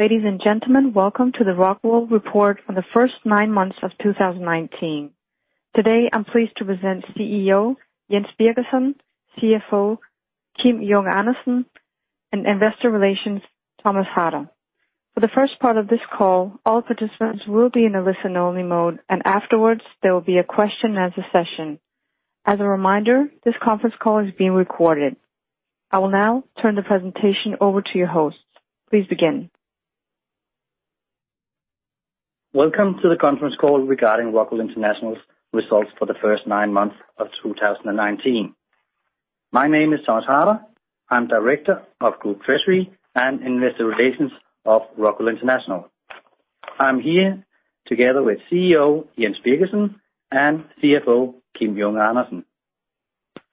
Ladies and gentlemen, welcome to the Rockwool report on the first nine months of 2019. Today, I'm pleased to present CEO, Jens Birgersson, CFO, Kim Junge Andersen, and investor relations, Thomas Harder. For the first part of this call, all participants will be in a listen-only mode, and afterwards there will be a question and answer session. As a reminder, this conference call is being recorded. I will now turn the presentation over to your hosts. Please begin. Welcome to the conference call regarding Rockwool International's results for the first nine months of 2019. My name is Thomas Harder. I'm Director of Group Treasury and Investor Relations of Rockwool International. I'm here together with CEO, Jens Birgersson, and CFO, Kim Junge Andersen.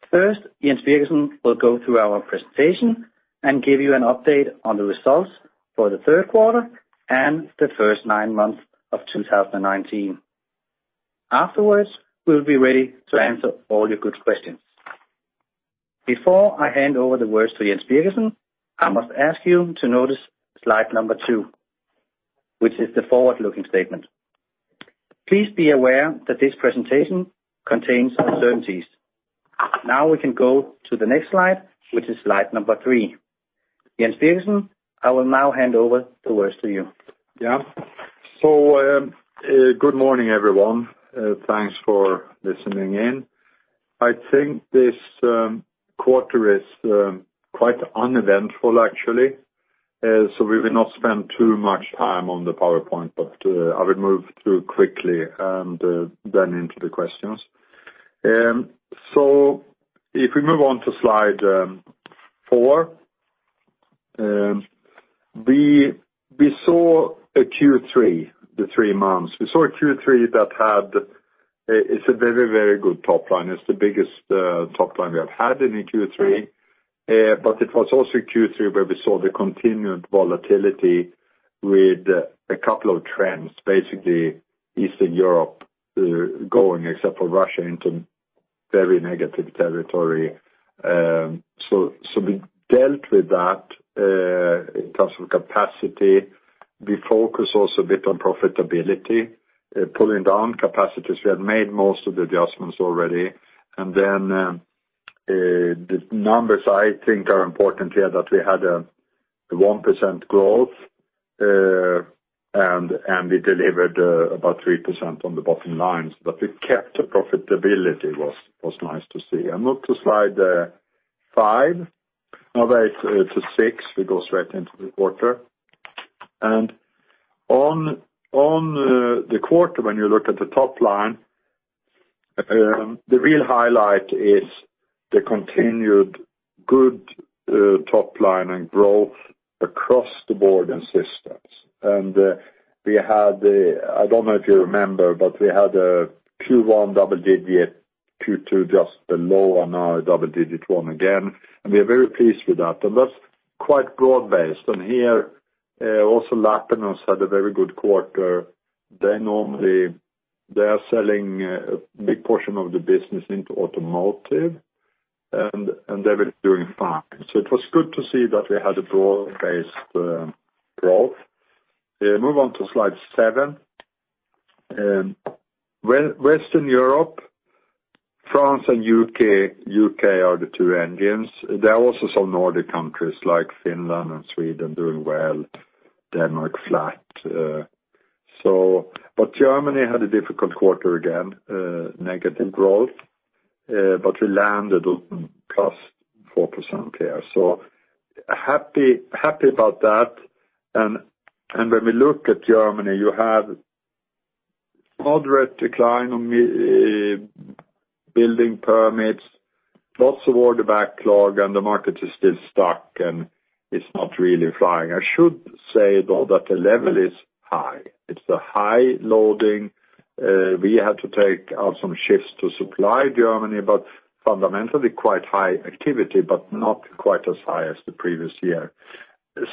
First, Jens Birgersson will go through our presentation and give you an update on the results for the third quarter and the first nine months of 2019. Afterwards, we'll be ready to answer all your good questions. Before I hand over the words to Jens Birgersson, I must ask you to notice slide number two, which is the forward-looking statement. Please be aware that this presentation contains uncertainties. Now we can go to the next slide, which is slide number three. Jens Birgersson, I will now hand over the words to you. Yeah. Good morning, everyone. Thanks for listening in. I think this quarter is quite uneventful actually, so we will not spend too much time on the PowerPoint, but I will move through quickly and then into the questions. If we move on to slide four, we saw a Q3, the three months. We saw a Q3. It's a very, very good top line. It's the biggest top line we have had in a Q3. It was also a Q3 where we saw the continued volatility with a couple of trends, basically Eastern Europe going, except for Russia, into very negative territory. We dealt with that, in terms of capacity. We focus also a bit on profitability, pulling down capacities. We had made most of the adjustments already. The numbers I think are important here, that we had a 1% growth, we delivered about 3% on the bottom line, but we kept the profitability. It was nice to see. Move to slide five. No, wait. To six. We go straight into the quarter. On the quarter, when you look at the top line, the real highlight is the continued good top line and growth across the board and systems. We had, I don't know if you remember, but we had a Q1 double digit, Q2 just below, and now a double digit one again. We are very pleased with that. That's quite broad-based. Here, also Lapinus had a very good quarter. They are selling a big portion of the business into automotive, and they've been doing fine. It was good to see that we had a broad-based growth. Move on to slide seven. Western Europe, France, and U.K. are the two engines. There are also some Nordic countries like Finland and Sweden doing well. Denmark flat. Germany had a difficult quarter again, negative growth, but we landed on plus 4% here. Happy about that. When we look at Germany, you have moderate decline on building permits, lots of order backlog, and the market is still stuck, and it's not really flying. I should say, though, that the level is high. It's a high loading. We had to take out some shifts to supply Germany, but fundamentally quite high activity, but not quite as high as the previous year.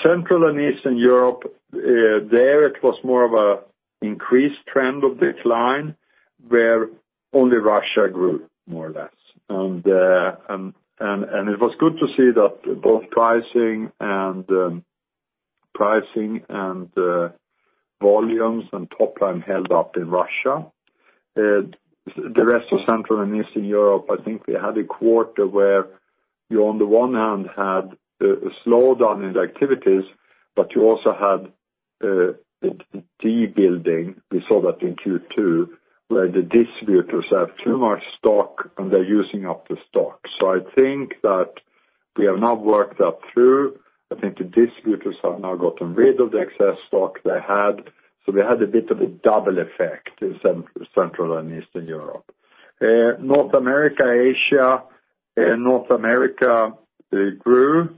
Central and Eastern Europe, there it was more of a increased trend of decline, where only Russia grew more or less. It was good to see that both pricing and volumes and top line held up in Russia. The rest of Central and Eastern Europe, I think we had a quarter where you on the one hand had a slowdown in activities, but you also had de-building. We saw that in Q2, where the distributors have too much stock and they're using up the stock. I think that we have now worked that through. I think the distributors have now gotten rid of the excess stock they had, so we had a bit of a double effect in Central and Eastern Europe. North America, Asia. North America grew.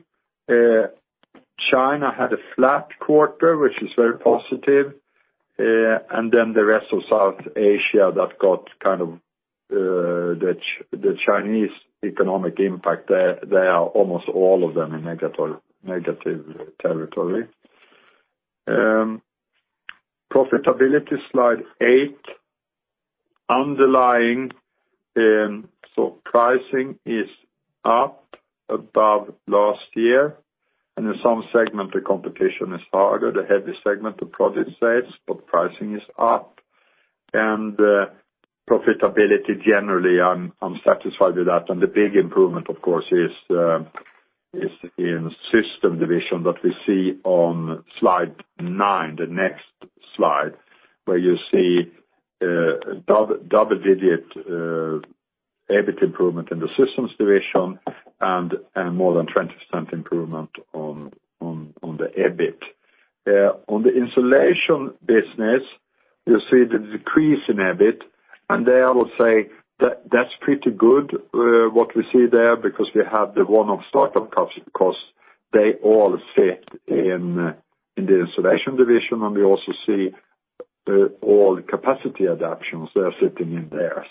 China had a flat quarter, which is very positive. Then the rest of Southeast Asia that got kind of the Chinese economic impact, they are almost all of them in negative territory. Profitability, slide eight. Underlying, so pricing is up above last year, and in some segment, the competition is harder, the heavy segment, the project side, but pricing is up. Profitability generally, I'm satisfied with that. The big improvement, of course, is in Systems division that we see on slide nine, the next slide, where you see double-digit EBIT improvement in the Systems division and more than 20% improvement on the EBIT. On the insulation business, you see the decrease in EBIT, and there I will say that that's pretty good, what we see there, because we have the one-off startup costs. They all sit in the Insulation division, and we also see all capacity adaptations, they're sitting in there.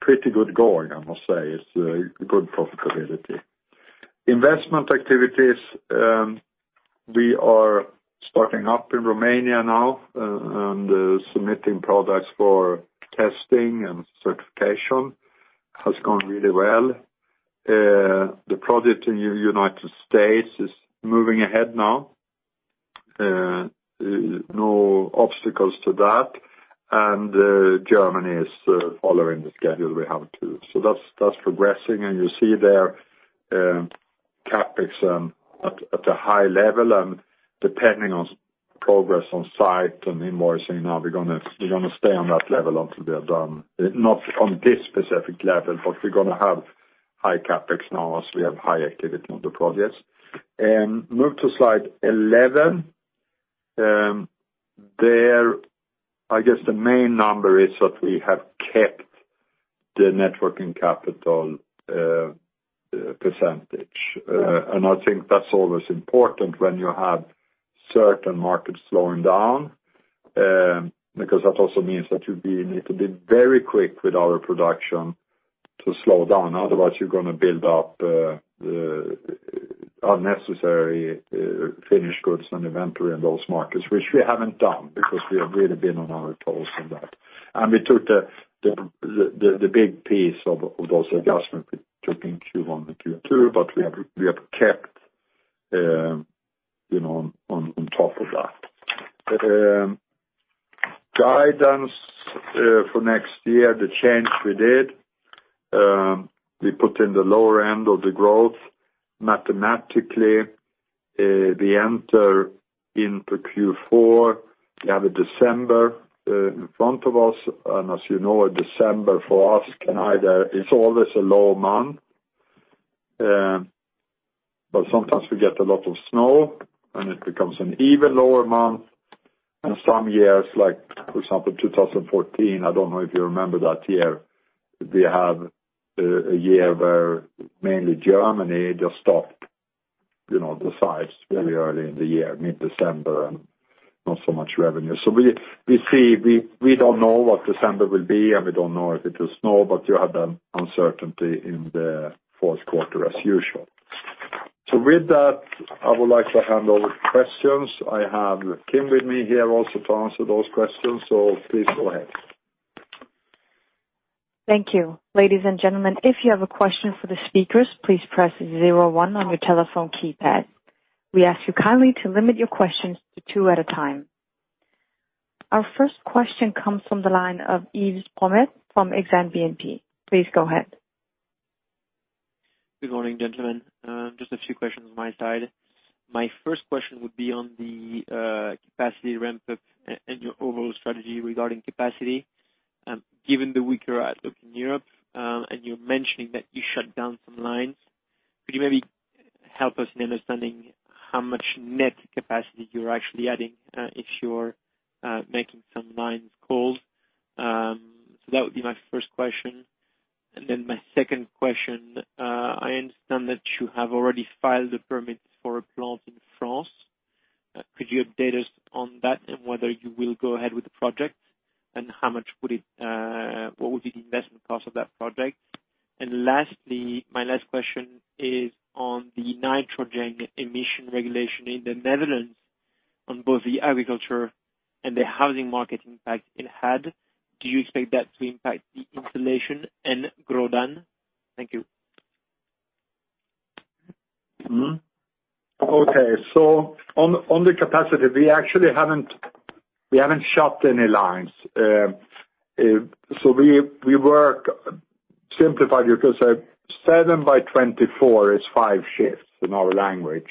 Pretty good going, I must say. It's good profitability. Investment activities, we are starting up in Romania now, and submitting products for testing and certification has gone really well. The project in United States is moving ahead now. No obstacles to that. Germany is following the schedule we have too. That's progressing, and you see there, CapEx at a high level, and depending on progress on site and invoicing now, we're going to stay on that level until we are done. Not on this specific level, but we're going to have high CapEx now as we have high activity on the projects. Move to slide 11. There, I guess the main number is that we have kept the net working capital percentage. I think that's always important when you have certain markets slowing down, because that also means that we need to be very quick with our production to slow down. Otherwise, you're going to build up unnecessary finished goods and inventory in those markets, which we haven't done because we have really been on our toes on that. We took the big piece of those adjustments we took in Q1 and Q2, but we have kept on top of that. Guidance for next year, the change we did, we put in the lower end of the growth. Mathematically, we enter into Q4, we have a December in front of us, and as you know, a December for us is always a low month, but sometimes we get a lot of snow, and it becomes an even lower month. Some years, like for example, 2014, I don't know if you remember that year. We had a year where mainly Germany just stopped the sites very early in the year, mid-December, and not so much revenue. We see, we don't know what December will be, and we don't know if it will snow, but you have the uncertainty in the fourth quarter as usual. With that, I would like to hand over questions. I have Kim with me here also to answer those questions, so please go ahead. Thank you. Ladies and gentlemen, if you have a question for the speakers, please press zero one on your telephone keypad. We ask you kindly to limit your questions to two at a time. Our first question comes from the line of Yves Bromehead from Exane BNP. Please go ahead. Good morning, gentlemen. Just a few questions on my side. My first question would be on the capacity ramp-up and your overall strategy regarding capacity. Given the weaker outlook in Europe, you're mentioning that you shut down some lines, could you maybe help us in understanding how much net capacity you're actually adding if you're making some lines cold? That would be my first question. Then my second question. I understand that you have already filed the permits for a plant in France. Could you update us on that and whether you will go ahead with the project? What would be the investment cost of that project? Lastly, my last question is on the nitrogen emission regulation in the Netherlands on both the agriculture and the housing market impact it had. Do you expect that to impact the insulation in Grodan? Thank you. Okay. On the capacity, we actually haven't shut any lines. We work, simplified, you could say 7 by 24 is five shifts in our language.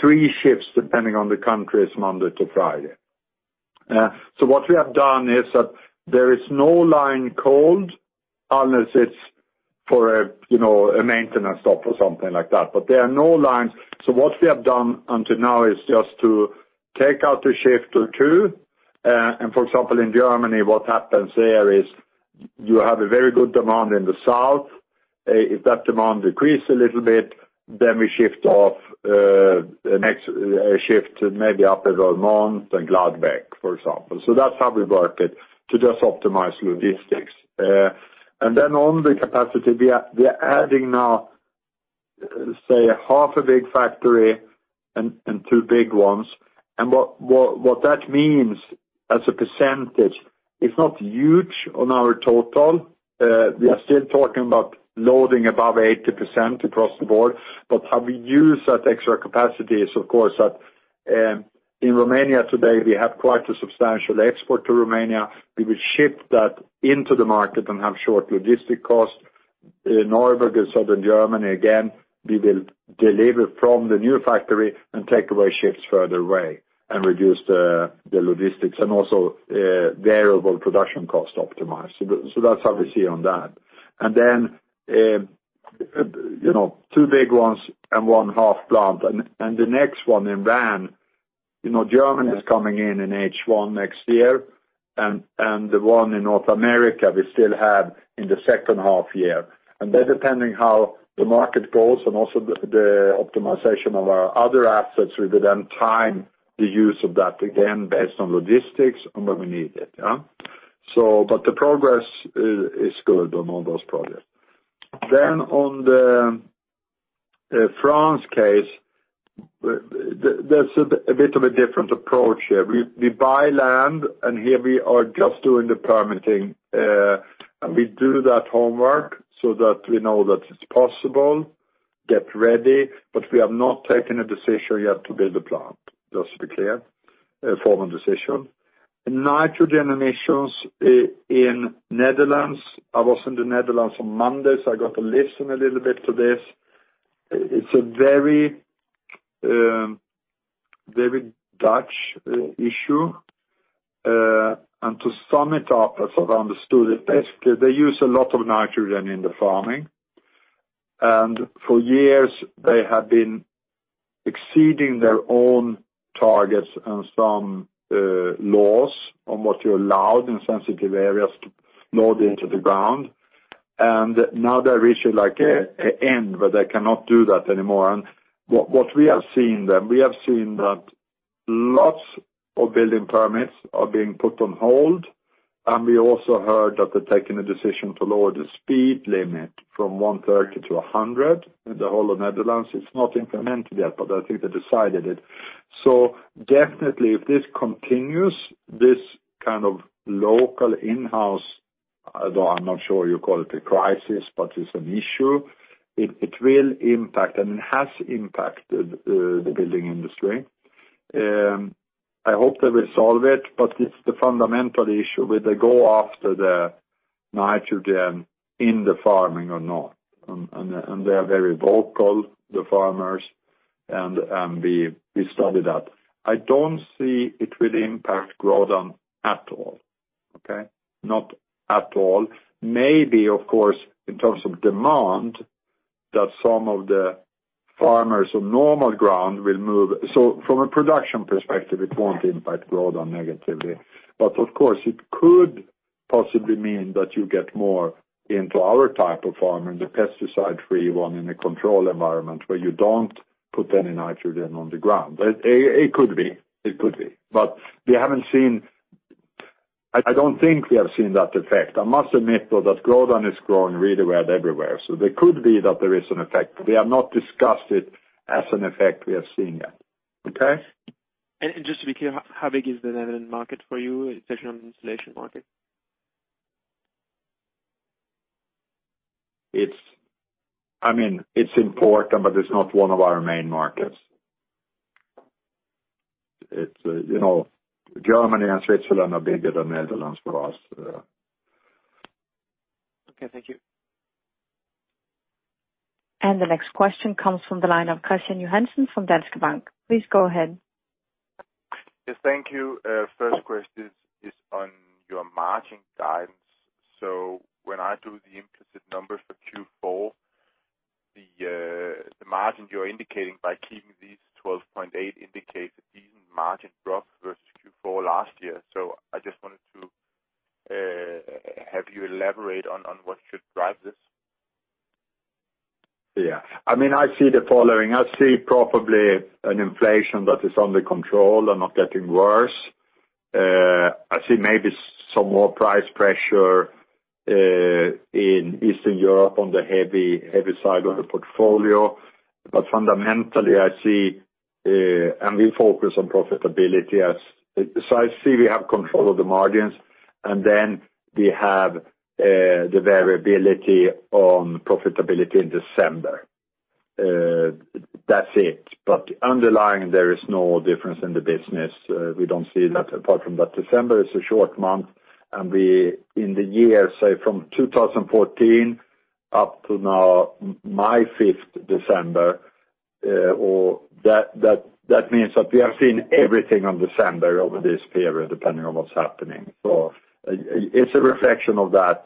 Three shifts, depending on the country, is Monday to Friday. What we have done is that there is no line cold unless it's for a maintenance stop or something like that, but there are no lines. What we have done until now is just to take out a shift or two. For example, in Germany, what happens there is you have a very good demand in the south. If that demand decrease a little bit, then we shift off a shift maybe up at Værløse and Gladbeck, for example. That's how we work it, to just optimize logistics. On the capacity, we are adding now, say, a half a big factory and two big ones. What that means as a percentage, it's not huge on our total. We are still talking about loading above 80% across the board. How we use that extra capacity is, of course, that in Romania today, we have quite a substantial export to Romania. We will ship that into the market and have short logistic costs. In Neuburg, in Southern Germany, again, we will deliver from the new factory and take away ships further away and reduce the logistics and also Variable Production Cost optimized. That's how we see on that. Then two big ones and one half plant and the next one in, [one], Germany is coming in H1 next year, and the one in North America, we still have in the second half year. Depending how the market goes and also the optimization of our other assets, we will then time the use of that again based on logistics and when we need it. The progress is good on all those projects. On the France case, there's a bit of a different approach here. We buy land, here we are just doing the permitting, we do that homework so that we know that it's possible, get ready, but we have not taken a decision yet to build a plant, just to be clear, a formal decision. Nitrogen emissions in Netherlands. I was in the Netherlands on Monday, I got to listen a little bit to this. It's a very Dutch issue. To sum it up, as I've understood it, basically, they use a lot of nitrogen in the farming, and for years, they have been exceeding their own targets and some laws on what you're allowed in sensitive areas to load into the ground. Now they reach an end where they cannot do that anymore. What we have seen then, we have seen that lots of building permits are being put on hold, and we also heard that they're taking a decision to lower the speed limit from 130 to 100 in the whole of Netherlands. It's not implemented yet, but I think they decided it. Definitely if this continues, this kind of local in-house, although I'm not sure you call it a crisis, but it's an issue. It will impact and it has impacted the building industry. I hope they will solve it, but it's the fundamental issue, will they go after the nitrogen in the farming or not? They are very vocal, the farmers, and we study that. I don't see it will impact Grodan at all. Okay? Not at all. Maybe, of course, in terms of demand, that some of the farmers on normal ground will move. From a production perspective, it won't impact Grodan negatively. Of course, it could possibly mean that you get more into our type of farming, the pesticide-free one in a controlled environment where you don't put any nitrogen on the ground. It could be. I don't think we have seen that effect. I must admit, though, that Grodan is growing really well everywhere. They could be that there is an effect. We have not discussed it as an effect we are seeing yet. Okay? Just to be clear, how big is the Netherlands market for you, especially on the insulation market? It's important, but it's not one of our main markets. Germany and Switzerland are bigger than Netherlands for us. Okay, thank you. The next question comes from the line of Kristian Johansen from Danske Bank. Please go ahead. Yes, thank you. First question is on your margin guidance. When I do the implicit number for Q4, the margin you're indicating by keeping these 12.8% indicates a decent margin drop versus Q4 last year. I just wanted to have you elaborate on what should drive this. I see the following. I see probably an inflation that is under control and not getting worse. I see maybe some more price pressure in Eastern Europe on the heavy side of the portfolio. Fundamentally, we focus on profitability. I see we have control of the margins, and then we have the variability on profitability in December. That's it. Underlying, there is no difference in the business. We don't see that apart from that December is a short month, and we in the year, say, from 2014 up to now, my fifth December. That means that we have seen everything on December over this period, depending on what's happening. It's a reflection of that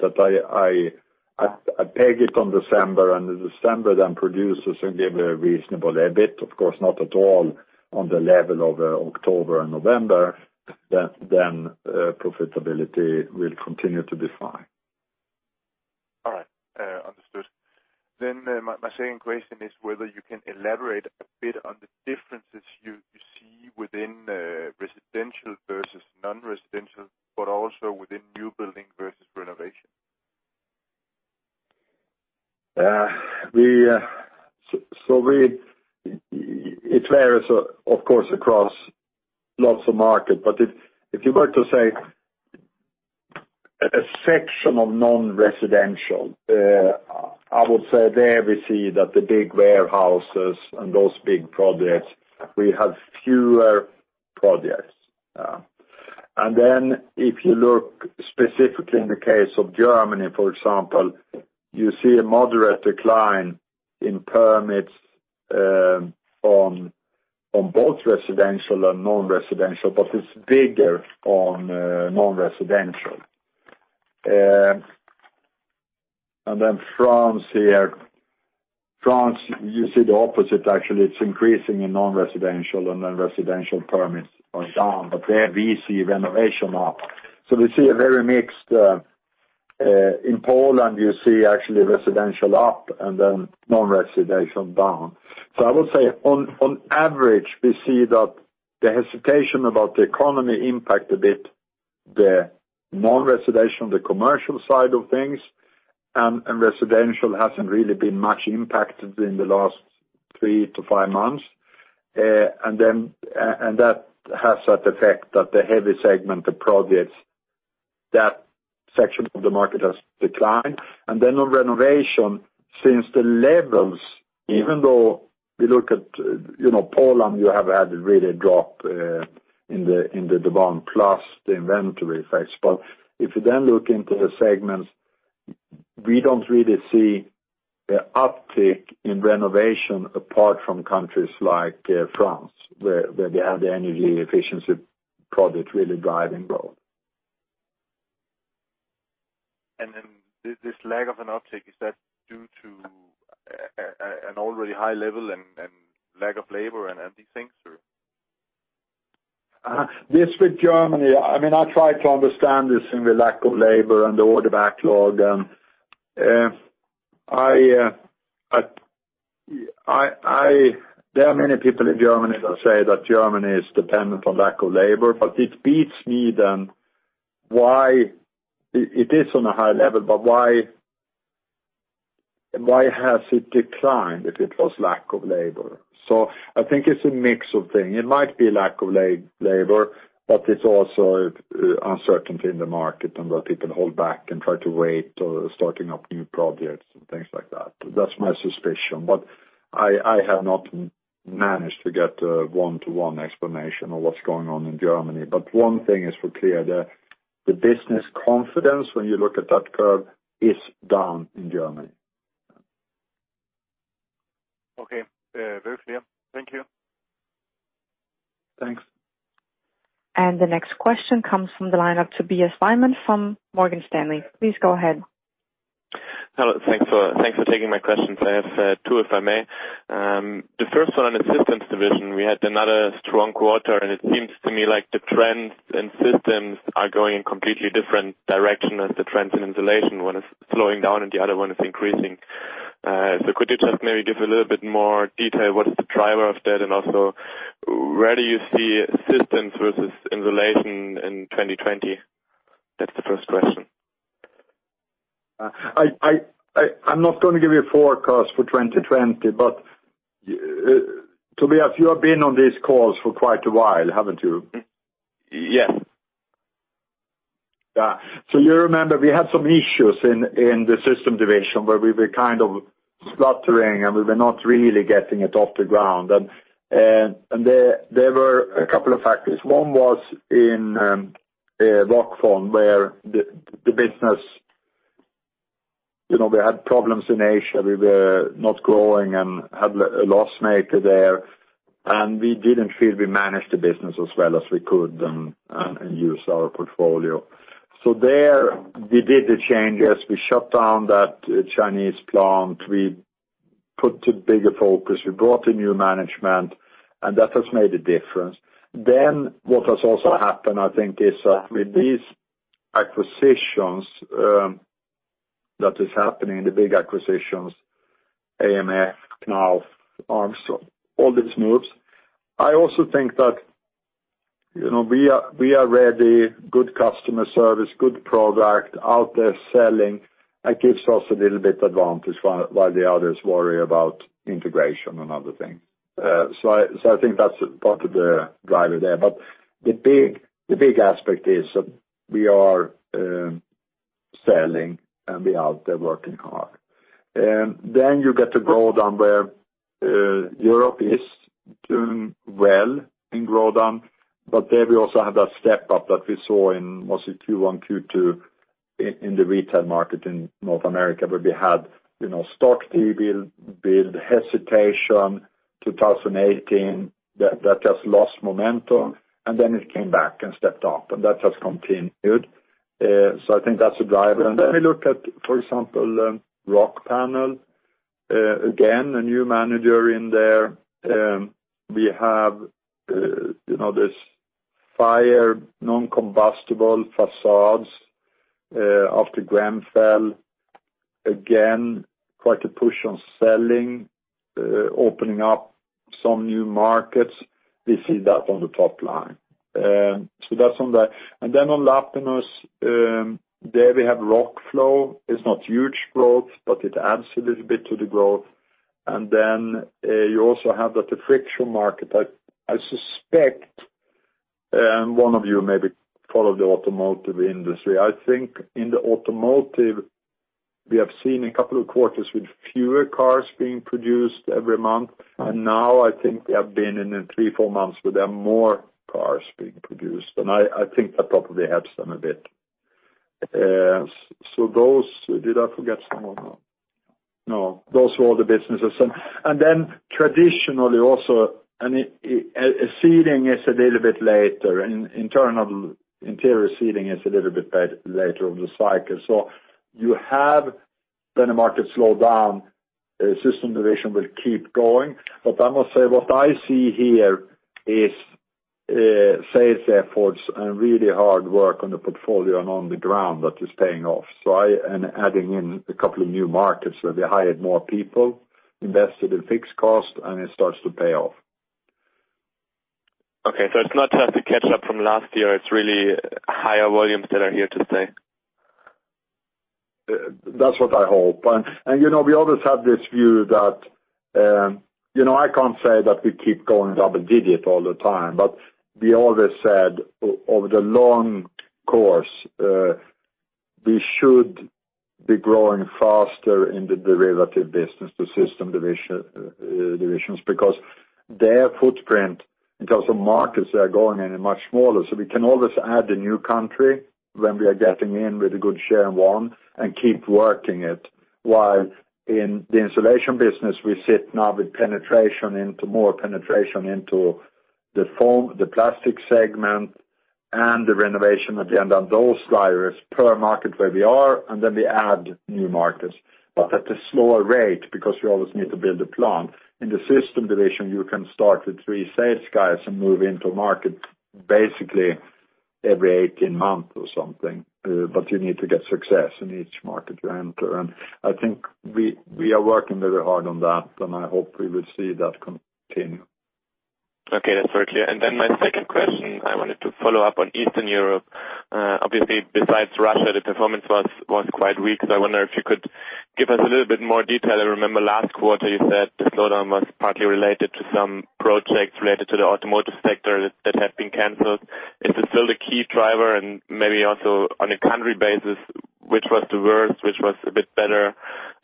I peg it on December, and December then produces and give a reasonable EBIT, of course, not at all on the level of October and November, then profitability will continue to be fine. All right. Understood. My second question is whether you can elaborate a bit on the differences you see Within residential versus non-residential, but also within new building versus renovation. It varies, of course, across lots of market. If you were to say a section of non-residential, I would say there we see that the big warehouses and those big projects, we have fewer projects. If you look specifically in the case of Germany, for example, you see a moderate decline in permits on both residential and non-residential, but it's bigger on non-residential. France here. France, you see the opposite actually, it's increasing in non-residential and then residential permits are down, but there we see renovation up. We see a very mixed. In Poland, you see actually residential up and then non-residential down. I would say on average, we see that the hesitation about the economy impact a bit the non-residential, the commercial side of things, and residential hasn't really been much impacted in the last three to five months. That has that effect that the heavy segment, the projects, that section of the market has declined. On renovation, since the levels, even though we look at Poland, you have had really a drop in the demand plus the inventory effects. If you then look into the segments, we don't really see the uptick in renovation apart from countries like France, where they have the energy efficiency project really driving growth. This lag of an uptick, is that due to an already high level and lack of labor and these things? This with Germany, I try to understand this in the lack of labor and the order backlog. There are many people in Germany that say that Germany is dependent on lack of labor, but it beats me then why it is on a high level, but why has it declined if it was lack of labor? I think it's a mix of things. It might be lack of labor, but it's also uncertainty in the market and where people hold back and try to wait or starting up new projects and things like that. That's my suspicion. I have not managed to get a one-to-one explanation of what's going on in Germany. One thing is for clear, the business confidence, when you look at that curve, is down in Germany. Okay. Very clear. Thank you. Thanks. The next question comes from the line of Tobias Wyman from Morgan Stanley. Please go ahead. Hello. Thanks for taking my questions. I have two, if I may. The first one on the systems division, we had another strong quarter, and it seems to me like the trends and systems are going in completely different direction as the trends in insulation. One is slowing down and the other one is increasing. Could you just maybe give a little bit more detail? What is the driver of that, and also where do you see systems versus insulation in 2020? That's the first question. I'm not going to give you a forecast for 2020, but Tobias, you have been on these calls for quite a while, haven't you? Yes. You remember we had some issues in the system division where we were kind of spluttering, and we were not really getting it off the ground. There were a couple of factors. One was in Rockfon where the business, we had problems in Asia. We were not growing and had a loss maker there, and we didn't feel we managed the business as well as we could and use our portfolio. There we did the changes. We shut down that Chinese plant. We put a bigger focus. We brought in new management, and that has made a difference. What has also happened, I think, is that with these acquisitions that is happening, the big acquisitions, AMF, Knauf, Armstrong, all these moves, I also think that we are ready, good customer service, good product, out there selling. It gives us a little bit advantage while the others worry about integration and other things. I think that's part of the driver there. The big aspect is that we are selling and we are out there working hard. You get to Grodan where Europe is doing well in Grodan, but there we also have that step up that we saw in mostly Q1, Q2 in the retail market in North America, where we had stock build hesitation, 2018, that just lost momentum, and it came back and stepped up, and that has continued. I think that's a driver. We look at, for example, Rockpanel. Again, a new manager in there. We have this fire non-combustible facades after Grenfell. Again, quite a push on selling, opening up some new markets. We see that on the top line. That's on that. On Lapinus, there we have Rockflow. It is not huge growth, but it adds a little bit to the growth. You also have that friction market. I suspect one of you maybe follow the automotive industry. I think in the automotive, we have seen a couple of quarters with fewer cars being produced every month, and now I think we have been in three, four months where there are more cars being produced, and I think that probably helps them a bit. Did I forget someone? No. Those were all the businesses. Traditionally also, a ceiling is a little bit later, internal interior ceiling is a little bit later in the cycle. You have then a market slowdown, System division will keep going. I must say, what I see here is sales efforts and really hard work on the portfolio and on the ground that is paying off. Adding in a couple of new markets where they hired more people, invested in fixed cost, and it starts to pay off. Okay, it's not just a catch-up from last year, it's really higher volumes that are here to stay. That's what I hope. We always have this view that I can't say that we keep going double-digit all the time, but we always said, over the long course, we should be growing faster in the derivative business, the System divisions, because their footprint in terms of markets they are going in are much smaller. We can always add a new country when we are getting in with a good share in one and keep working it, while in the insulation business, we sit now with more penetration into the plastic segment and the renovation at the end on those sliders per market where we are, then we add new markets, but at a slower rate, because you always need to build a plant. In the System division, you can start with three sales guys and move into a market basically every 18 months or something. You need to get success in each market you enter, and I think we are working very hard on that, and I hope we will see that continue. Okay, that's very clear. My second question, I wanted to follow up on Eastern Europe. Obviously, besides Russia, the performance was quite weak. I wonder if you could give us a little bit more detail. I remember last quarter you said the slowdown was partly related to some projects related to the automotive sector that have been canceled. Is it still the key driver? Maybe also on a country basis, which was the worst, which was a bit better,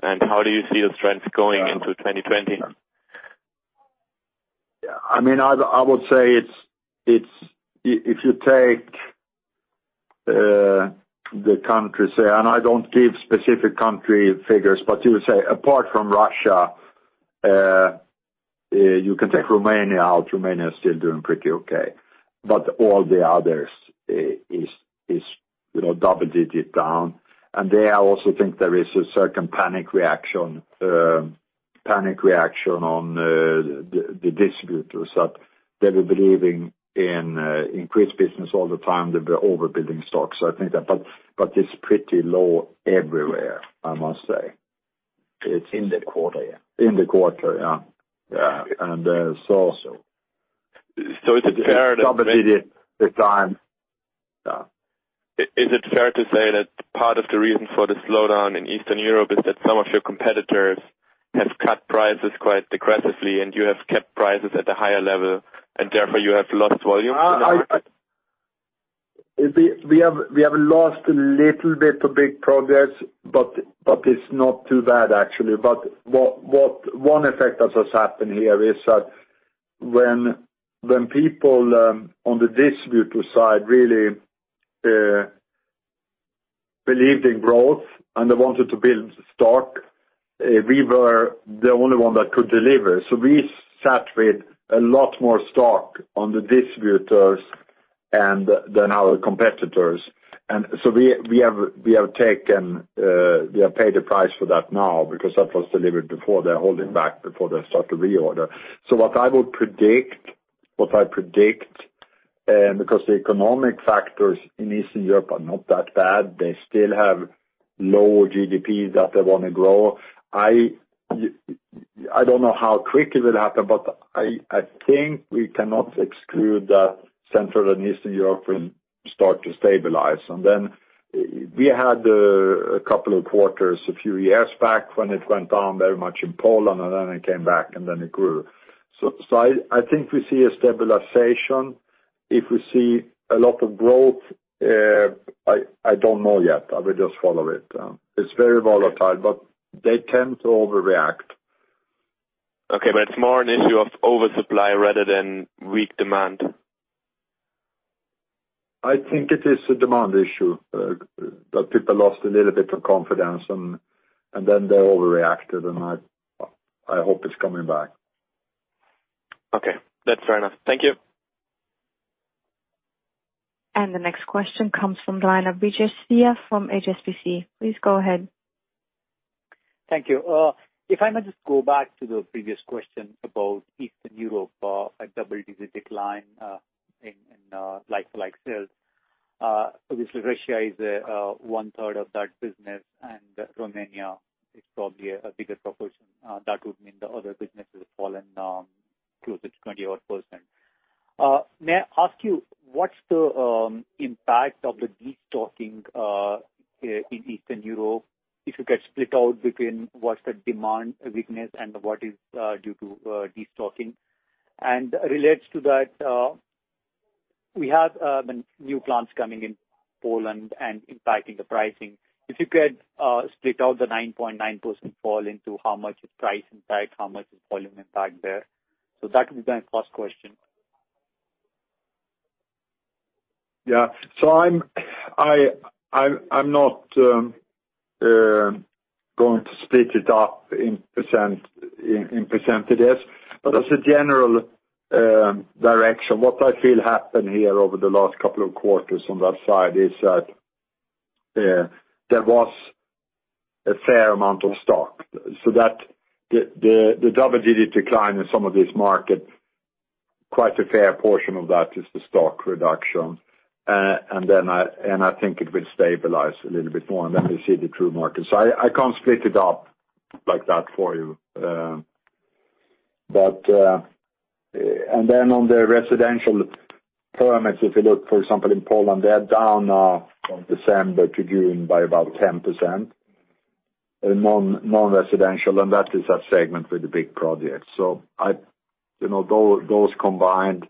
and how do you see the trends going into 2020? I would say if you take the country, say, and I don't give specific country figures, but you say, apart from Russia, you can take Romania out. Romania is still doing pretty okay. All the others is double-digit down. There I also think there is a certain panic reaction on the distributors, that they were believing in increased business all the time. They were overbuilding stock. I think that, but it's pretty low everywhere, I must say. In the quarter, yeah. In the quarter, yeah. Yeah. And so- So it's a fair- Double digit decline. Yeah. Is it fair to say that part of the reason for the slowdown in Eastern Europe is that some of your competitors have cut prices quite aggressively, and you have kept prices at a higher level, and therefore you have lost volumes in that region? We have lost a little bit of big progress, it's not too bad, actually. One effect that has happened here is that when people on the distributor side really believed in growth and they wanted to build stock, we were the only one that could deliver. We sat with a lot more stock on the distributors than our competitors. We have paid the price for that now because that was delivered before. They're holding back before they start to reorder. What I predict, because the economic factors in Eastern Europe are not that bad, they still have low GDP that they want to grow. I don't know how quick it will happen, but I think we cannot exclude that Central and Eastern Europe will start to stabilize. We had a couple of quarters a few years back when it went down very much in Poland, and then it came back, and then it grew. I think we see a stabilization. If we see a lot of growth, I don't know yet. I will just follow it. It's very volatile, but they tend to overreact. Okay, it's more an issue of oversupply rather than weak demand? I think it is a demand issue, that people lost a little bit of confidence, and then they overreacted, and I hope it's coming back. Okay, that's fair enough. Thank you. The next question comes from line of Brijesh Siya from HSBC. Please go ahead. Thank you. If I may just go back to the previous question about Eastern Europe, a double-digit decline in like-for-like sales. Obviously, Russia is one-third of that business, and Romania is probably a bigger proportion. That would mean the other businesses have fallen close to 20-odd%. May I ask you what's the impact of the de-stocking in Eastern Europe, if you could split out between what's the demand weakness and what is due to de-stocking? Relates to that, we have new plants coming in Poland and impacting the pricing. If you could split out the 9.9% fall into how much is price impact, how much is volume impact there? That would be my first question. I'm not going to split it up in percentages, but as a general direction, what I feel happened here over the last couple of quarters on that side is that there was a fair amount of stock. The double-digit decline in some of these markets, quite a fair portion of that is the stock reduction. I think it will stabilize a little bit more, and then we'll see the true market. I can't split it up like that for you. Then on the residential permits, if you look, for example, in Poland, they are down from December to June by about 10%, non-residential, and that is a segment with the big projects. Those combined,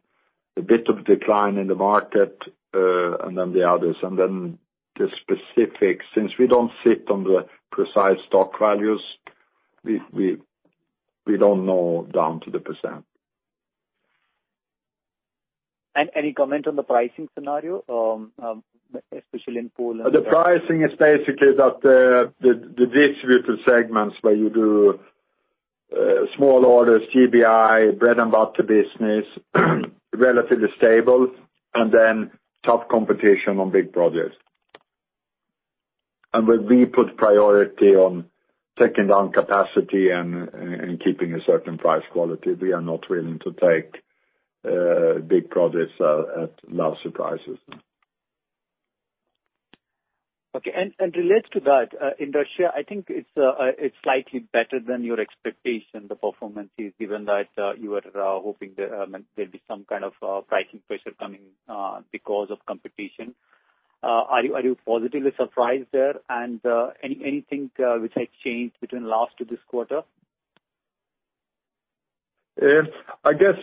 a bit of decline in the market, and then the others, and then the specifics. Since we don't sit on the precise stock values, we don't know down to the %. Any comment on the pricing scenario, especially in Poland? The pricing is basically that the distributor segments where you do small orders, GBI, bread-and-butter business, relatively stable, and then tough competition on big projects. Where we put priority on taking down capacity and keeping a certain price quality, we are not willing to take big projects at lower prices. Okay. relates to that, in Russia, I think it's slightly better than your expectation, the performance is, given that you were hoping there'll be some kind of pricing pressure coming because of competition. Are you positively surprised there? anything which has changed between last to this quarter? I guess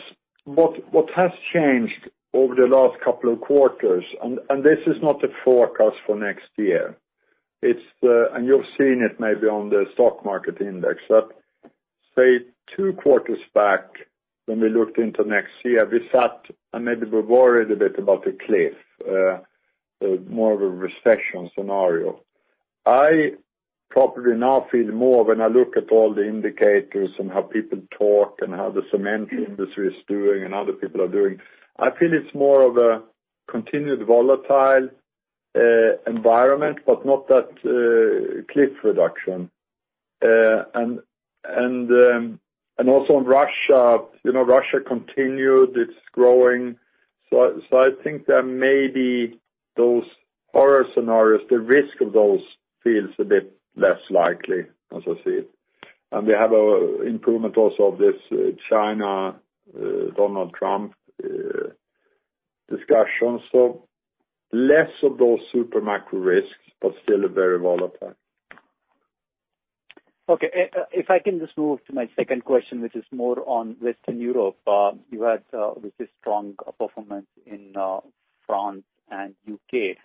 what has changed over the last couple of quarters, and this is not a forecast for next year, and you've seen it maybe on the stock market index that, say, two quarters back when we looked into next year, we sat and maybe we worried a bit about a cliff, more of a recession scenario. I probably now feel more when I look at all the indicators and how people talk and how the cement industry is doing and other people are doing, I feel it's more of a continued volatile environment, but not that cliff reduction. Also in Russia continued, it's growing. I think that maybe those horror scenarios, the risk of those feels a bit less likely as I see it. We have improvement also of this China, Donald Trump discussion. Less of those super macro risks, but still very volatile. Okay. If I can just move to my second question, which is more on Western Europe. You had this strong performance in France and U.K.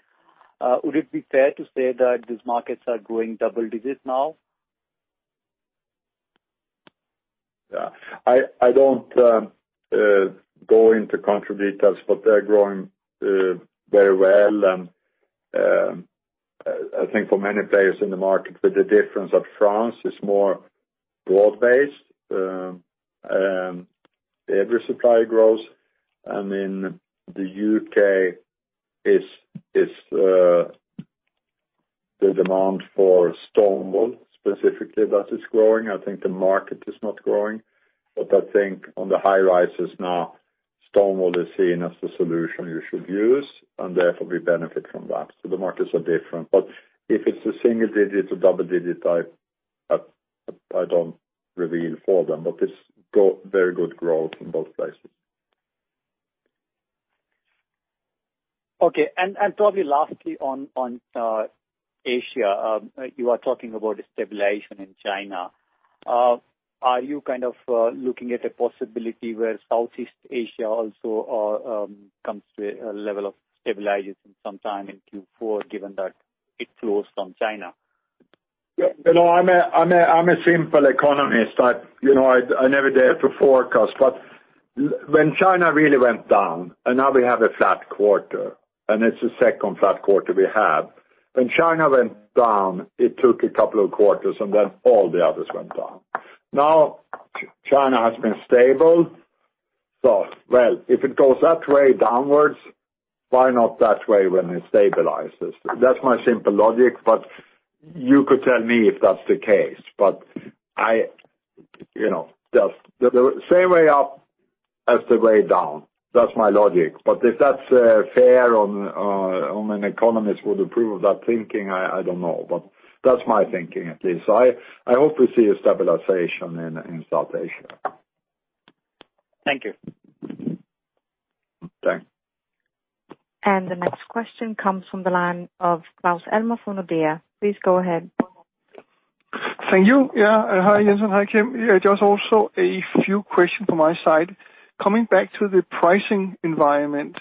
Would it be fair to say that these markets are growing double digits now? I don't go into country details, but they're growing very well, I think for many players in the market, with the difference that France is more broad-based. Every supplier grows. In the U.K., it's the demand for stone wool, specifically, that is growing. I think the market is not growing, but I think on the high-rises now, stone wool is seen as the solution you should use, and therefore we benefit from that. The markets are different. If it's a single digit to double digit type, I don't reveal for them, but it's very good growth in both places. Okay. Probably lastly on Asia, you are talking about a stabilization in China. Are you kind of looking at a possibility where Southeast Asia also comes to a level of stabilization sometime in Q4, given that it flows from China? I'm a simple economist. I never dare to forecast, but when China really went down, and now we have a flat quarter, and it's the second flat quarter we have. When China went down, it took a couple of quarters, and then all the others went down. Now China has been stable. Well, if it goes that way downwards, why not that way when it stabilizes? That's my simple logic, but you could tell me if that's the case. Just the same way up as the way down. That's my logic. If that's fair or an economist would approve of that thinking, I don't know. That's my thinking at least. I hope we see a stabilization in Southeast Asia. Thank you. Okay. The next question comes from the line of Claus Almer from Nordea. Please go ahead. Thank you. Hi, Jens. Hi, Kim. Just also a few questions from my side. Coming back to the pricing environment.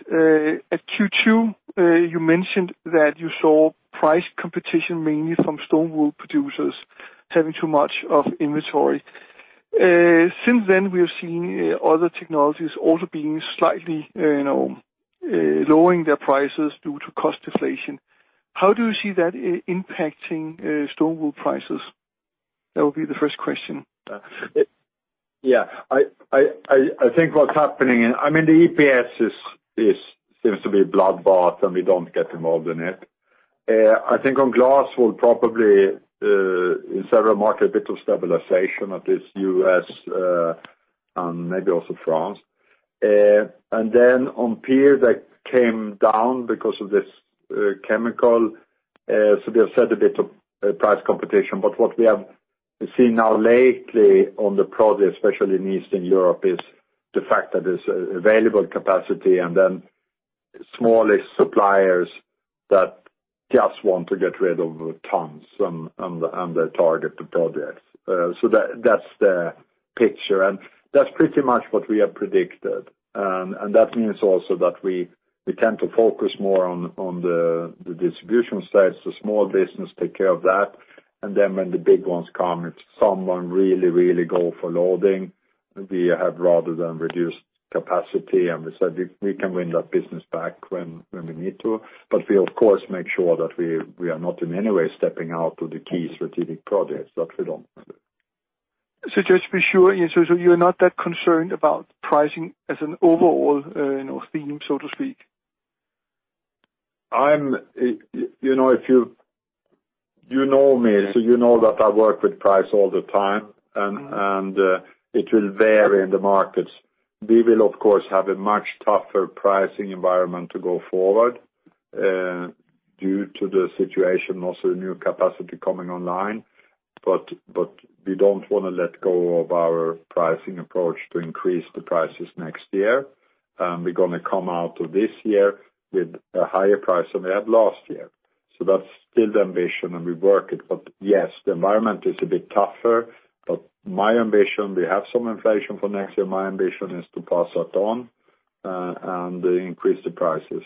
At Q2, you mentioned that you saw price competition mainly from stone wool producers having too much of inventory. Since then, we have seen other technologies also being slightly lowering their prices due to cost deflation. How do you see that impacting stone wool prices? That would be the first question. Yeah. I think what's happening, I mean, the EPS seems to be a blood bath, and we don't get involved in it. I think on glass wool probably, in several markets, a bit of stabilization, at least U.S., and maybe also France. On PIR, that came down because of this chemical. We have seen a bit of price competition. What we have seen now lately on the project, especially in Eastern Europe, is the fact that there's available capacity and then smallish suppliers that just want to get rid of tons on their target to projects. That's the picture, and that's pretty much what we have predicted. That means also that we tend to focus more on the distribution side. Small business take care of that. When the big ones come, if someone really go for loading, we have rather than reduced capacity. We said we can win that business back when we need to. We of course make sure that we are not in any way stepping out to the key strategic projects, but we don't. Just to be sure, Jens. You're not that concerned about pricing as an overall theme, so to speak? You know me, so you know that I work with price all the time, and it will vary in the markets. We will, of course, have a much tougher pricing environment to go forward due to the situation, also new capacity coming online. We don't want to let go of our pricing approach to increase the prices next year. We're going to come out of this year with a higher price than we had last year. That's still the ambition, and we work it. Yes, the environment is a bit tougher, but my ambition, we have some inflation for next year. My ambition is to pass that on, and increase the prices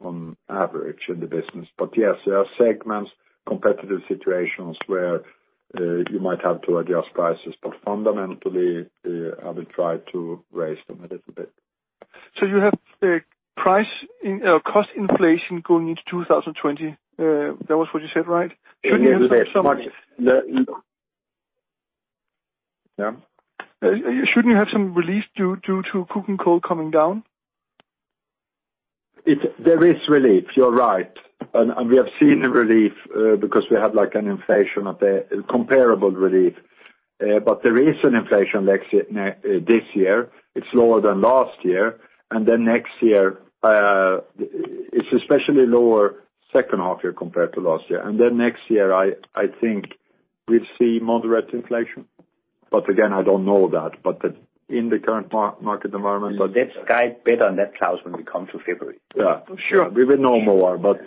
on average in the business. Yes, there are segments, competitive situations where you might have to adjust prices. Fundamentally, I will try to raise them a little bit. You have cost inflation going into 2020. That was what you said, right? Yeah. Shouldn't you have some relief due to coking coal coming down? There is relief. You're right. We have seen a relief because we had like an inflation of the comparable relief. There is an inflation this year. It's lower than last year. Next year, it's especially lower second half year compared to last year. Next year, I think we'll see moderate inflation. Again, I don't know that. In the current market environment. Let's guide better on that Claus when we come to February. Yeah. Sure. We will know more. Again,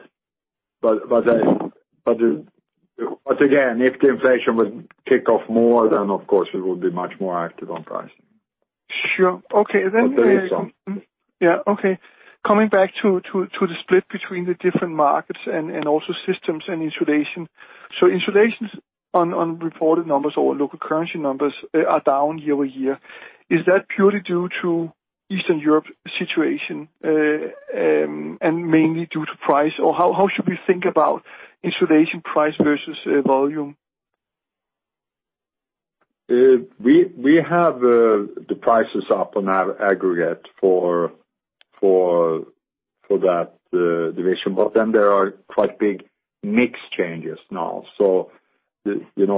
if the inflation would kick off more, then of course we would be much more active on pricing. Sure. Okay. There is some. Yeah. Okay. Coming back to the split between the different markets and also systems and insulation. Insulation's on reported numbers or local currency numbers are down year-over-year. Is that purely due to Eastern Europe situation, and mainly due to price, or how should we think about insulation price versus volume? We have the prices up on our aggregate for that division. There are quite big mix changes now.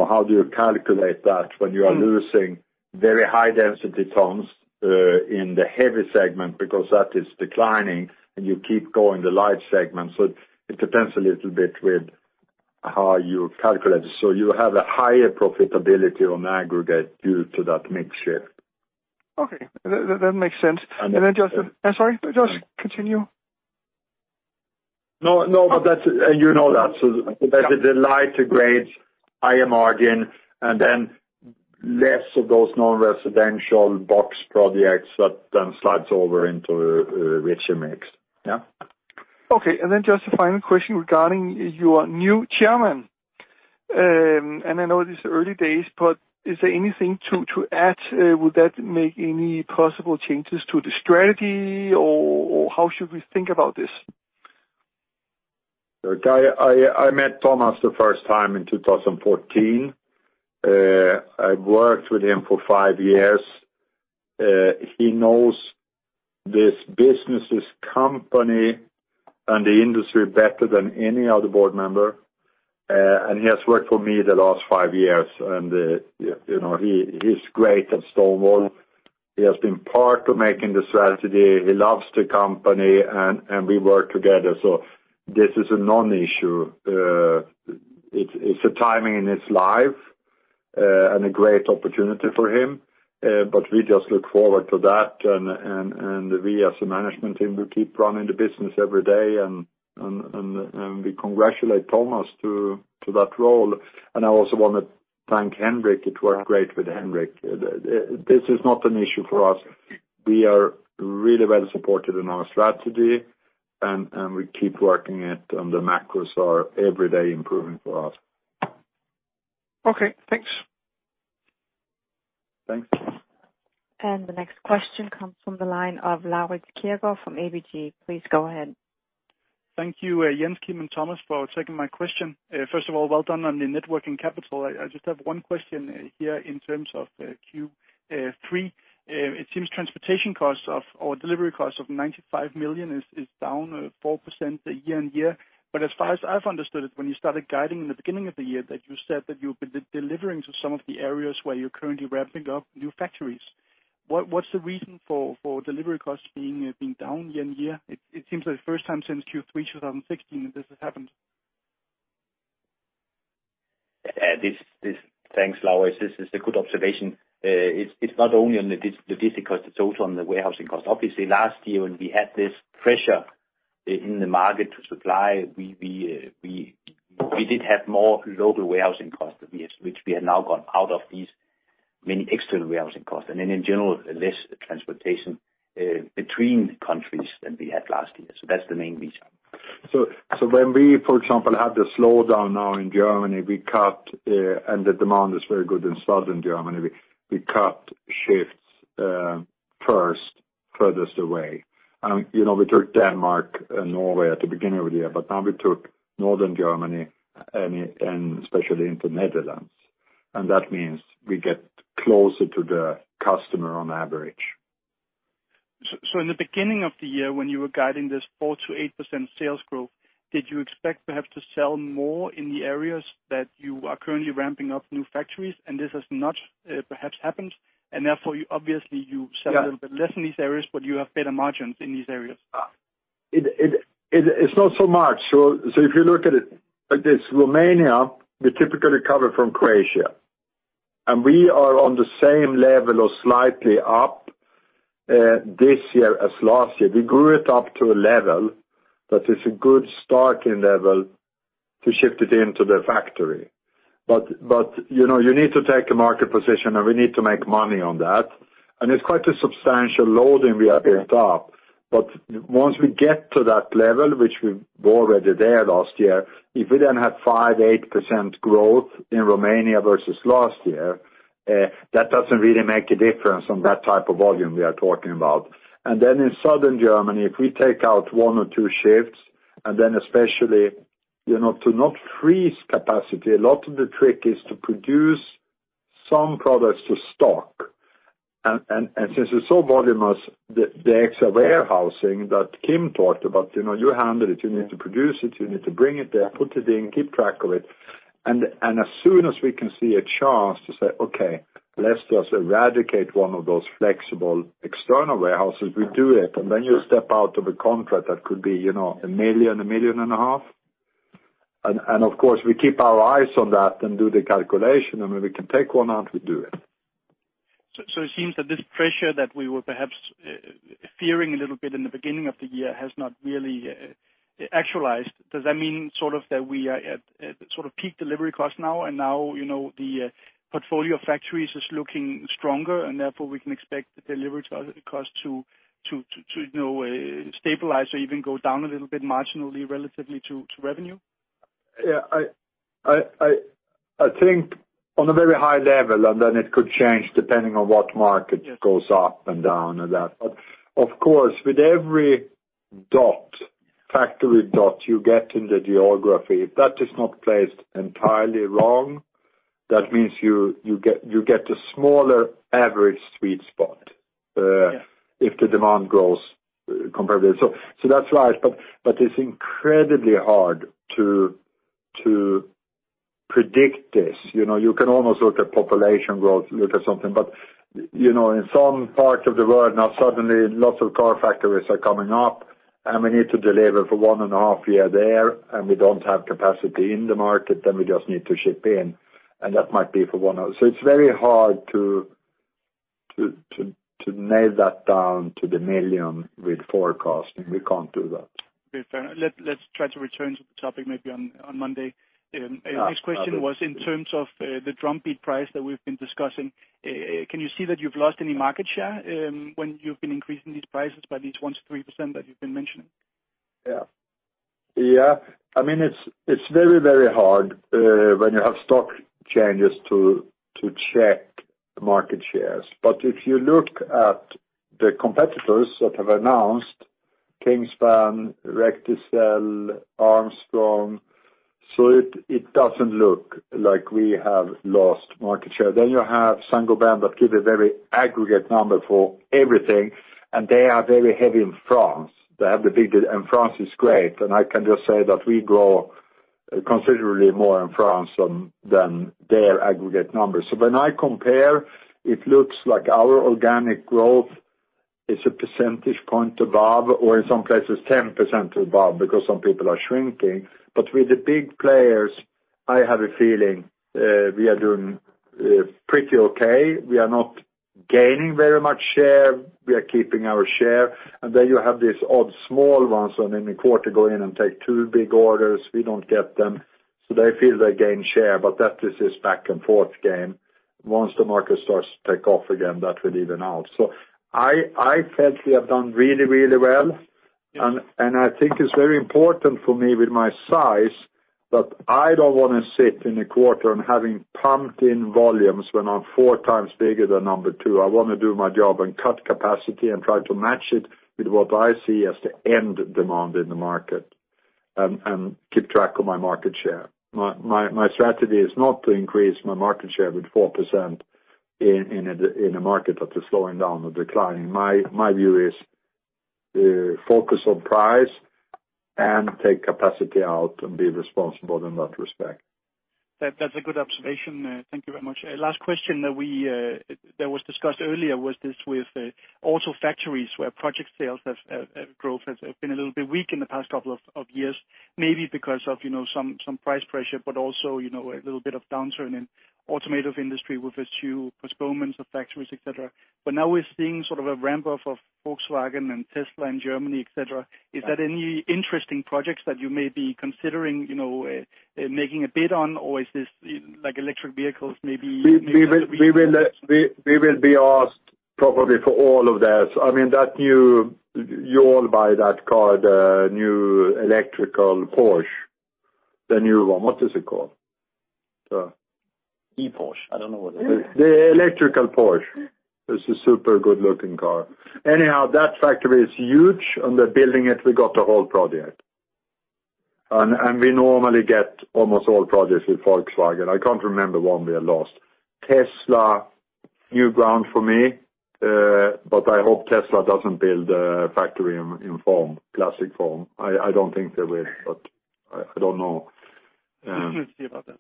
How do you calculate that when you are losing very high density tons in the heavy segment because that is declining, and you keep going the light segment. It depends a little bit with how you calculate. You have a higher profitability on aggregate due to that mix shift. Okay. That makes sense. Then I'm sorry. Just continue. No, you know that. That is a lighter grade, higher margin, and less of those non-residential box projects that then slides over into a richer mix. Yeah. Okay. Just a final question regarding your new chairman. I know it is early days, but is there anything to add? Would that make any possible changes to the strategy, or how should we think about this? Look, I met Thomas the first time in 2014. I've worked with him for five years. He knows this business, this company, and the industry better than any other board member, and he has worked for me the last five years, and he's great at stone wool. He has been part of making the strategy. He loves the company, and we work together. This is a non-issue. It's a timing in his life, and a great opportunity for him. We just look forward to that, and we as a management team will keep running the business every day and we congratulate Thomas to that role. I also want to thank Henrik. It worked great with Henrik. This is not an issue for us. We are really well supported in our strategy, and we keep working it, and the macros are every day improving for us. Okay, thanks. Thanks. The next question comes from the line of Laurits Kjærgaard from ABG. Please go ahead. Thank you, Jens, Kim, and Thomas, for taking my question. First of all, well done on the net working capital. I just have one question here in terms of Q3. It seems transportation costs or delivery costs of 95 million is down 4% year-on-year. As far as I've understood it, when you started guiding in the beginning of the year, that you said that you've been delivering to some of the areas where you're currently ramping up new factories. What's the reason for delivery costs being down year-on-year? It seems like the first time since Q3 2016 that this has happened. Thanks, Laurits. This is a good observation. It's not only on the D&T cost, it's also on the warehousing cost. Obviously, last year when we had this pressure in the market to supply, we did have more local warehousing costs than this, which we have now gone out of these many external warehousing costs and in general, less transportation between countries than we had last year. That's the main reason. When we, for example, had the slowdown now in Germany, and the demand is very good in Southern Germany, we cut shifts first furthest away. We took Denmark and Norway at the beginning of the year, but now we took Northern Germany and especially into Netherlands. That means we get closer to the customer on average. In the beginning of the year, when you were guiding this 4%-8% sales growth, did you expect to have to sell more in the areas that you are currently ramping up new factories and this has not perhaps happened and therefore obviously you sell a little bit less in these areas, but you have better margins in these areas? It's not so much. If you look at it like this, Romania, we typically cover from Croatia, and we are on the same level or slightly up this year as last year. We grew it up to a level that is a good starting level to shift it into the factory. You need to take a market position, and we need to make money on that. It's quite a substantial loading we are built up. Once we get to that level, which we were already there last year, if we then had 5%-8% growth in Romania versus last year, that doesn't really make a difference on that type of volume we are talking about. In Southern Germany, if we take out one or two shifts, especially to not freeze capacity, a lot of the trick is to produce some products to stock. Since it's so voluminous, the extra warehousing that Kim talked about, you handle it, you need to produce it, you need to bring it there, put it in, keep track of it. As soon as we can see a chance to say, "Okay, let's just eradicate one of those flexible external warehouses," we do it. You step out of a contract that could be 1 million, 1 million and a half. Of course, we keep our eyes on that and do the calculation, and when we can take one out, we do it. It seems that this pressure that we were perhaps fearing a little bit in the beginning of the year has not really actualized. Does that mean that we are at peak delivery cost now, and now the portfolio of factories is looking stronger and therefore we can expect the delivery cost to stabilize or even go down a little bit marginally relatively to revenue? Yeah. I think on a very high level, and then it could change depending on what market goes up and down and that. Of course, with every dot, factory dot you get in the geography, if that is not placed entirely wrong, that means you get a smaller average sweet spot. Yeah if the demand grows comparatively. That's right, but it's incredibly hard to predict this. You can almost look at population growth, look at something. In some parts of the world now, suddenly lots of car factories are coming up, and we need to deliver for one and a half year there, and we don't have capacity in the market, then we just need to ship in, and that might be for one. It's very hard to nail that down to the million with forecast. We can't do that. Fair. Let's try to return to the topic maybe on Monday. Next question was in terms of the drum beat price that we've been discussing. Can you see that you've lost any market share when you've been increasing these prices by these 1%-3% that you've been mentioning? Yeah. It's very, very hard when you have stock changes to check market shares. If you look at the competitors that have announced Kingspan, Recticel, Armstrong, it doesn't look like we have lost market share. You have Saint-Gobain that give a very aggregate number for everything, and they are very heavy in France. France is great, and I can just say that we grow considerably more in France than their aggregate numbers. When I compare, it looks like our organic growth is a percentage point above, or in some places 10% above, because some people are shrinking. With the big players, I have a feeling we are doing pretty okay. We are not gaining very much share. We are keeping our share. Then you have these odd small ones who in any quarter go in and take two big orders, we don't get them, so they feel they gain share, but that is this back-and-forth game. Once the market starts to take off again, that will even out. I felt we have done really, really well. Yeah. I think it's very important for me with my size, that I don't want to sit in a quarter and having pumped in volumes when I'm four times bigger than number 2. I want to do my job and cut capacity and try to match it with what I see as the end demand in the market, and keep track of my market share. My strategy is not to increase my market share with 4% in a market that is slowing down or declining. My view is, focus on price and take capacity out and be responsible in that respect. That's a good observation. Thank you very much. Last question that was discussed earlier was this with also factories where project sales growth has been a little bit weak in the past couple of years, maybe because of some price pressure, but also a little bit of downturn in automotive industry with a few postponements of factories, et cetera. Now we're seeing sort of a ramp-up of Volkswagen and Tesla in Germany, et cetera. Is that any interesting projects that you may be considering making a bid on? Is this, like electric vehicles, maybe- We will be asked probably for all of that. I mean, that new, you all buy that car, the new electrical Porsche, the new one. What is it called? E-Porsche. I don't know what it is. The electrical Porsche. It's a super good-looking car. That factory is huge, and they're building it. We got the whole project. We normally get almost all projects with Volkswagen. I can't remember one we have lost. Tesla, new ground for me, but I hope Tesla doesn't build a factory in classic foam. I don't think they will, but I don't know. We'll see about that.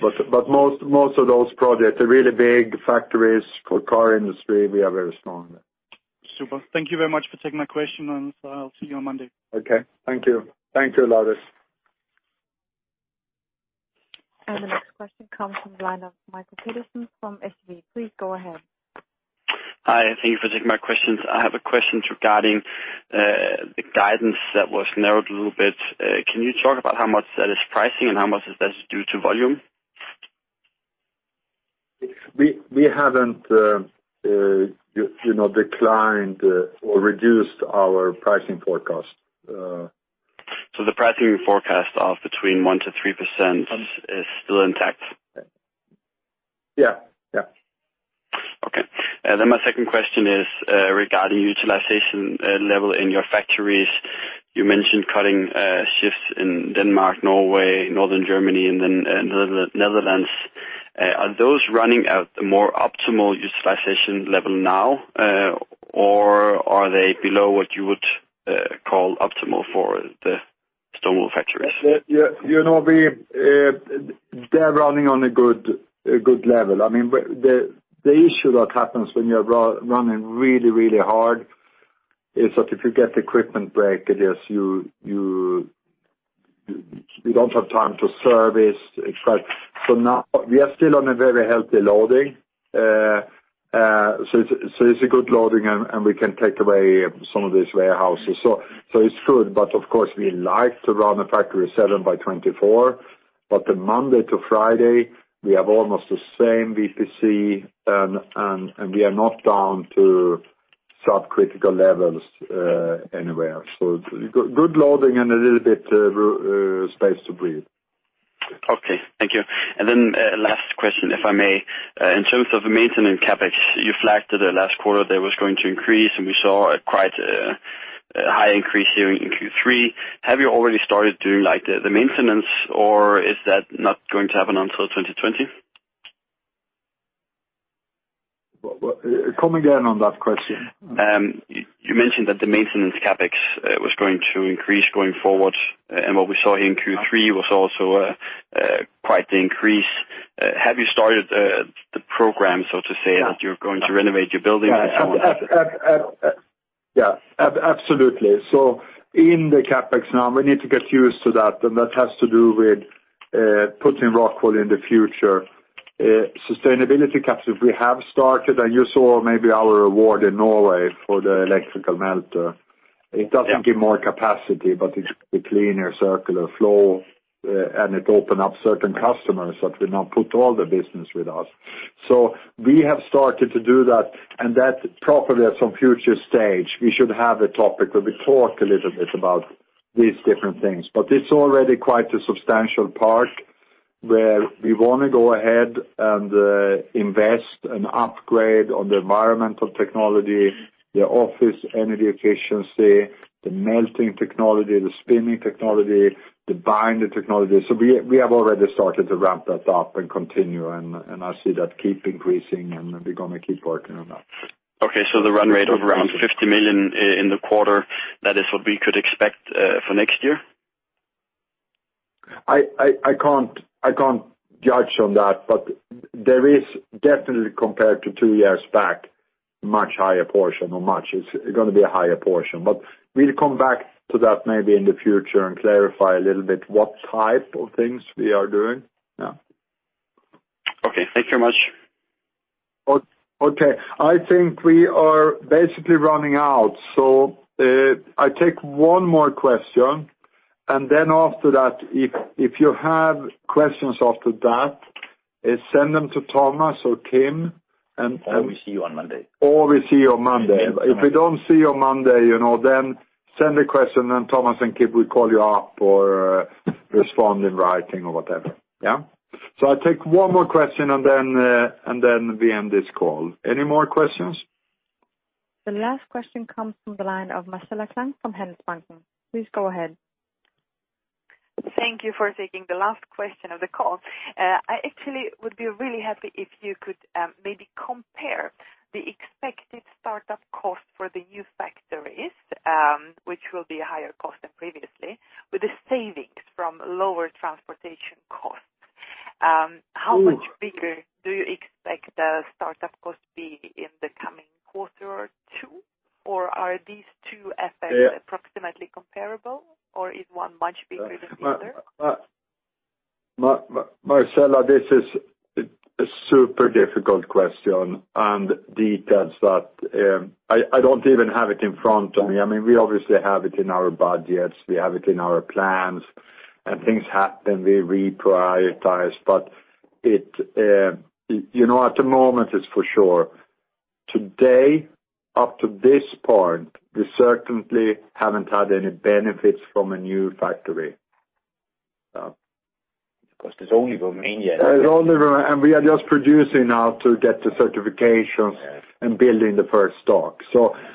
Most of those projects are really big factories. For car industry, we are very strong. Super. Thank you very much for taking my question. I'll see you on Monday. Okay. Thank you. Thank you, Laurits. The next question comes from the line of Mikael Petersen from SEB. Please go ahead. Hi, thank you for taking my questions. I have a question regarding the guidance that was narrowed a little bit. Can you talk about how much that is pricing and how much of that is due to volume? We haven't declined or reduced our pricing forecast. The pricing forecast of between 1%-3% is still intact? Yeah. Okay. My second question is regarding utilization level in your factories. You mentioned cutting shifts in Denmark, Norway, Northern Germany, and then Netherlands. Are those running at a more optimal utilization level now, or are they below what you would call optimal for the stone wool factories? They're running on a good level. The issue that happens when you're running really, really hard is that if you get equipment breakages, you don't have time to service, et cetera. Now, we are still on a very healthy loading. It's a good loading, and we can take away some of these warehouses. It's good, but of course, we like to run a factory 7 by 24. The Monday to Friday, we have almost the same VPC, and we are not down to subcritical levels anywhere. Good loading and a little bit space to breathe. Okay. Thank you. Last question, if I may. In terms of maintenance CapEx, you flagged it at last quarter that was going to increase, and we saw a quite high increase here in Q3. Have you already started doing the maintenance, or is that not going to happen until 2020? Come again on that question. You mentioned that the maintenance CapEx was going to increase going forward, and what we saw here in Q3 was also quite the increase. Have you started the program, so to say? Yeah that you're going to renovate your buildings and so on? Yeah, absolutely. In the CapEx now, we need to get used to that, and that has to do with putting Rockwool in the future. Sustainability CapEx, we have started, you saw maybe our award in Norway for the electrical melter. Yeah. It doesn't give more capacity, but it's a cleaner circular flow, and it open up certain customers that will now put all the business with us. We have started to do that, and that probably at some future stage, we should have a topic where we talk a little bit about these different things. It's already quite a substantial part where we want to go ahead and invest and upgrade on the environmental technology, the office energy efficiency, the melting technology, the spinning technology, the binder technology. We have already started to wrap that up and continue, and I see that keep increasing, and we're going to keep working on that. Okay, the run rate of around 50 million in the quarter, that is what we could expect for next year? I can't judge on that. There is definitely, compared to two years back, it's going to be a higher portion. We'll come back to that maybe in the future and clarify a little bit what type of things we are doing. Yeah. Okay. Thank you very much. Okay. I think we are basically running out. I take one more question, and then after that, if you have questions after that, send them to Thomas or Kim. We see you on Monday. We see you on Monday. If we don't see you on Monday, send the question, and Thomas and Kim will call you up or respond in writing or whatever. Yeah? I'll take one more question, and then we end this call. Any more questions? The last question comes from the line of Marcela Klang from Handelsbanken. Please go ahead. Thank you for taking the last question of the call. I actually would be really happy if you could maybe compare the expected startup cost for the new factories, which will be a higher cost than previously, with the savings from lower transportation costs. How much bigger do you expect the startup cost be in the coming quarter or two? Are these two effects approximately comparable, or is one much bigger than the other? Marcela, this is a super difficult question, and details that I don't even have it in front of me. We obviously have it in our budgets, we have it in our plans, and things happen, we reprioritize. At the moment, it's for sure, today, up to this point, we certainly haven't had any benefits from a new factory. There's only Romania. There's only Romania, and we are just producing now to get the certifications and building the first stock.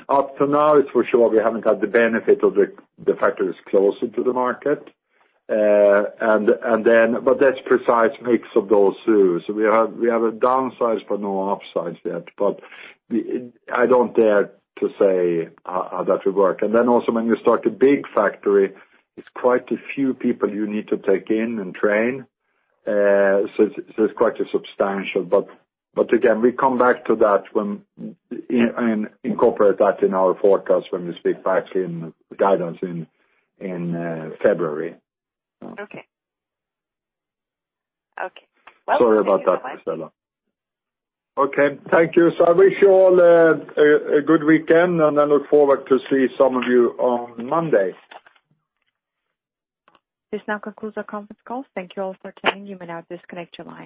Up to now, it's for sure, we haven't had the benefit of the factories closer to the market. That's precise mix of those two. We have a downsize but no upsides yet, but I don't dare to say how that would work. Then also when you start a big factory, it's quite a few people you need to take in and train, so it's quite substantial. Again, we come back to that and incorporate that in our forecast when we speak back in guidance in February. Okay. Sorry about that, Marcela. Okay. Thank you. I wish you all a good weekend, and I look forward to see some of you on Monday. This now concludes our conference call. Thank you all for attending. You may now disconnect your lines.